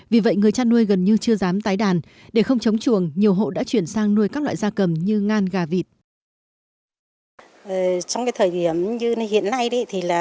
vì vậy người chăn nuôi gần như chưa dám tái đàn để không chống chuồng nhiều hộ đã chuyển sang nuôi các loại da cầm như ngan gà vịt